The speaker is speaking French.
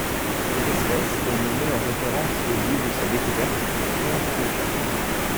Cette espèce est nommée en référence au lieu de sa découverte, le pan d'Etosha.